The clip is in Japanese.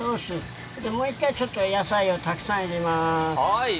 もう一回野菜をたくさん入れまーす。